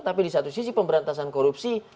tapi di satu sisi pemberantasan korupsi